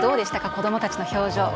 子供たちの表情。